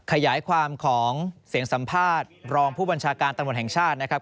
ขยายความของเสียงสัมภาษณ์รองผู้บัญชาการตำรวจแห่งชาตินะครับ